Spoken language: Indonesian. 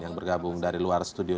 yang bergabung dari luar studio